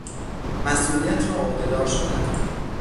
مسئولیت را عهده دار شدن